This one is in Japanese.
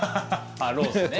あっロースね。